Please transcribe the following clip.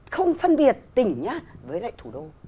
không phân biệt tỉnh với lại thủ đô